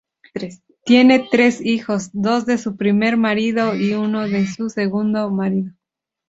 Tiene tres hijos, dos de su primer marido y uno de su segundo marido.